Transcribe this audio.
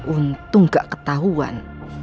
untung gak ketahuan